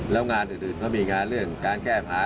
แล้วงานอื่นก็มีงานเรื่องการแก้ผา